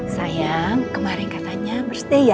sayang kemarin katanya mersday ya